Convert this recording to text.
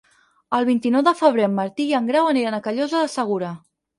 El vint-i-nou de febrer en Martí i en Grau aniran a Callosa de Segura.